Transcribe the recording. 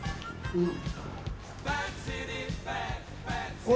うん。